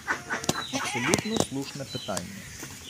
Абсолютно слушне питання.